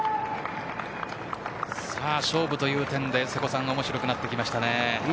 勝負という点で面白くなってきましたね。